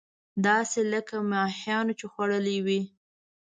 داسې لکه ماهيانو چې خوړلې وي.